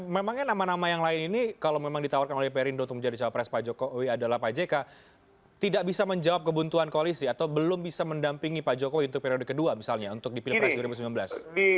memangnya nama nama yang lain ini kalau memang ditawarkan oleh perindo untuk menjadi cawapres pak jokowi adalah pak jk tidak bisa menjawab kebuntuan koalisi atau belum bisa mendampingi pak jokowi untuk periode kedua misalnya untuk di pilpres dua ribu sembilan belas